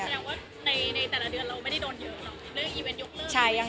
แสดงว่าในแต่ละเดือนเราไม่ได้โดนเยอะหรอก